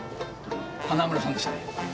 花村さんでしたね。